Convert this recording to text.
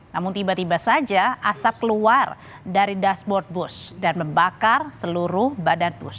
namun tiba tiba saja asap keluar dari dashboard bus dan membakar seluruh badan bus